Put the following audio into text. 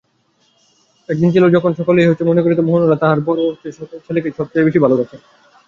একদিন ছিল যখন সকলেই মনে করিত মনোহরলাল তাঁহার বড়ো ছেলেকেই সব চেয়ে ভালোবাসেন।